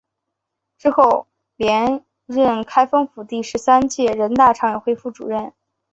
之后连任开封市第十三届人大常委会副主任。